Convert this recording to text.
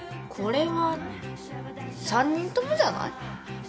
これは３人ともじゃない？